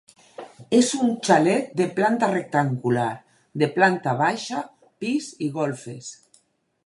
És un xalet de planta rectangular de planta baixa, pis i golfes.